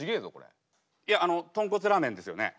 いやあの豚骨ラーメンですよね？